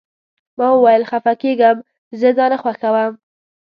ما وویل: خفه کیږم، زه دا نه خوښوم.